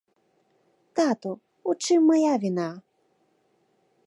Тату, у чым мая віна?